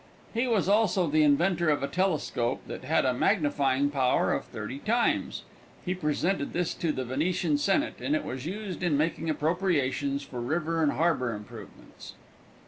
He was also the inventor of a telescope that had a magnifying power of thirty times. He presented this to the Venetian senate, and it was used in making appropriations for river and harbor improvements.